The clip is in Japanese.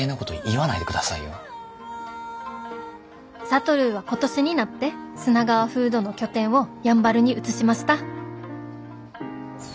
「智は今年になってスナガワフードの拠点をやんばるに移しました」。